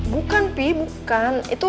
bukan pi bukan